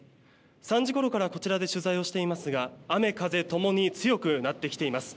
３時ごろからこちらで取材をしていますが雨風ともに強くなってきています。